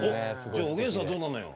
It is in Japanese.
じゃあおげんさんどうなのよ。